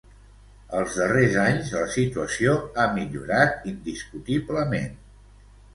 Els darrers anys la situació ha millorat indiscutiblement.